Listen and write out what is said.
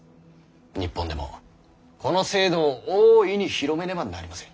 日本でもこの制度を大いに広めねばなりません。